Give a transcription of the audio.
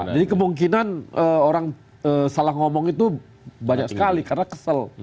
jadi kemungkinan orang salah ngomong itu banyak sekali karena kesel